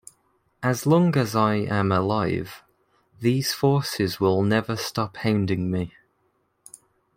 As long as I am alive, these forces will never stop hounding me.